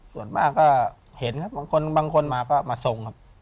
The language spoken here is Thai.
ส่วนมากก็เห็นครับบางคนบางคนมาก็มาทรงครับ